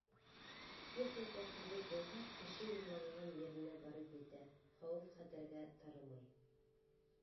Техника төҙөк булһа, кеше юлланған еренә барып етә, хәүеф-хәтәргә тарымай.